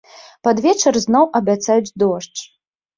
Пад вечар зноў абяцаюць дождж.